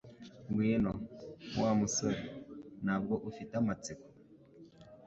Ngwino, Wa musore, ntabwo ufite amatsiko?